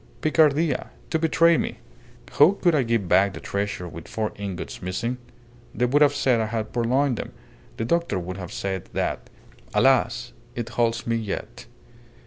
Picardia! To betray me? How could I give back the treasure with four ingots missing? They would have said I had purloined them. The doctor would have said that. Alas! it holds me yet!"